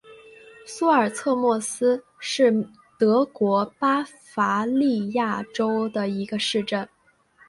苏尔策莫斯是德国巴伐利亚州的一个市镇。